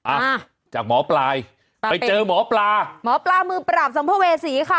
อ่ะจากหมอปลายอ่าไปเจอหมอปลาหมอปลามือปราบสัมภเวษีค่ะ